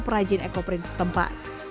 peranjin ecoprint setempat